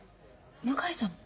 向井さんも？